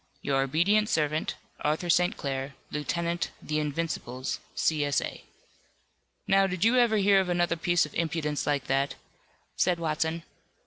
"Your obedient servant, ARTHUR ST. CLAIR, Lieutenant 'The Invincibles,' C. S. A." "Now, did you ever hear of another piece of impudence like that?" said Watson.